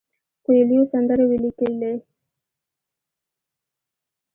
کویلیو سندرې ولیکلې.